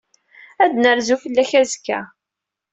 Ad n-nerzu fell-ak azekka.